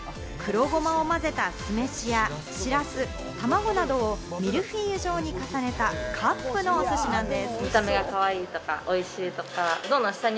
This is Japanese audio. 黒ごまをまぜた酢飯やしらす、卵などをミルフィーユ状に重ねたカップのお寿司なんです。